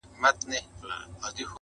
د كار نه دى نور ټوله شاعري ورځيني پاته.